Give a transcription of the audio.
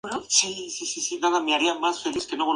Se juega con el sistema todos contra a todos a dos ruedas.